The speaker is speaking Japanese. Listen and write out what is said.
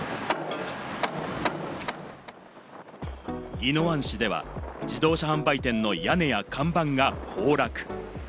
宜野湾市では自動車販売店の屋根や看板が崩落。